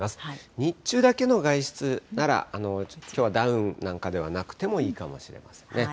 日中だけの外出なら、きょうはダウンなんかではなくてもいいかもしれませんね。